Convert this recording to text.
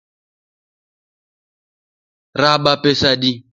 Raba pesa adi?